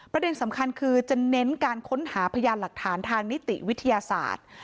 ประเด็นสำคัญคือจะเน้นการค้นหาพยานหลักฐานทางนิติวิทยาศาสตร์